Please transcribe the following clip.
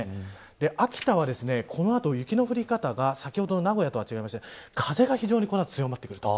秋田は、この後雪の降り方が先ほどの名古屋とは違って風がこの後強まってくる。